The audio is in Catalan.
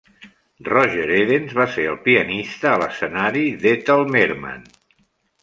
Roger Edens va ser el pianista a l'escenari d'Ethel Merman.